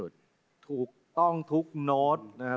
ถูกต้องทุกโน้ตนะครับ